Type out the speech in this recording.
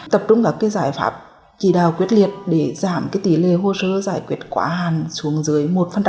tập trung các giải pháp chỉ đạo quyết liệt để giảm tỷ lệ hô sơ giải quyết quả hàn xuống dưới một